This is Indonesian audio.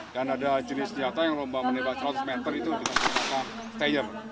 dan ada jenis jata yang lomba menembak seratus meter itu dengan jata steyr